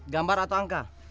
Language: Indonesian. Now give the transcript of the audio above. gambar atau angka